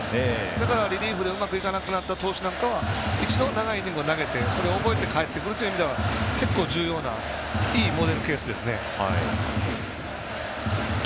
だからリリーフでうまくいかなくなった投手なんかはそれを覚えて帰ってくるという意味では、重要ないいモデルケースですね。